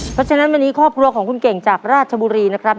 เพราะฉะนั้นวันนี้ครอบครัวของคุณเก่งจากราชบุรีนะครับ